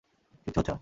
কিছু হচ্ছে না।